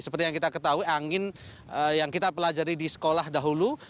seperti yang kita ketahui angin yang kita pelajari di sekolah dahulu